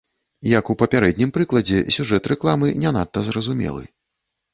Як у папярэднім прыкладзе, сюжэт рэкламы не надта зразумелы.